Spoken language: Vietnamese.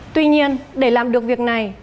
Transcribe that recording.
tuy nhiên để làm được việc này